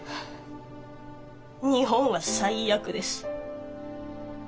日本は最悪です。